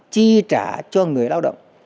chi trả cho người lao động